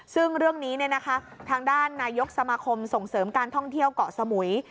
ซึ่งเรื่องนี้ทางด้านนายกสมาคมส่งเสริมการท่องเที่ยวเกาะสมุย